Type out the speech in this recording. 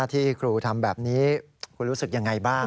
ที่ครูทำแบบนี้คุณรู้สึกยังไงบ้าง